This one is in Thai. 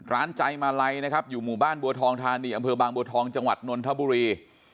ใจมาลัยนะครับอยู่หมู่บ้านบัวทองธานีอำเภอบางบัวทองจังหวัดนนทบุรี